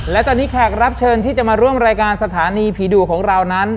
และตอนนี้แขกรับเชิญที่จะมาร่วมรายการสถานีผีดุของเรานั้น